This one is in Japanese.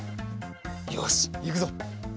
よしいくぞ。